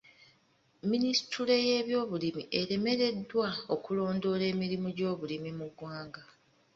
Minisitule y'ebyobulimi eremereddwa okulondoola emirimu gy'obulimi mu ggwanga.